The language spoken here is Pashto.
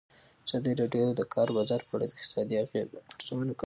ازادي راډیو د د کار بازار په اړه د اقتصادي اغېزو ارزونه کړې.